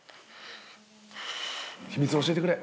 秘密教えてくれ。